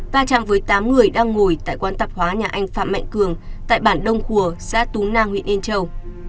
va chạm với tám người đang ngồi tại quán tạp hóa nhà anh phạm mạnh cường tại bản đông khua xã tú nang huyện yên châu